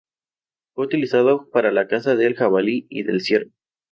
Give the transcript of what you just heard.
Fue utilizado para la caza del jabalí y del ciervo.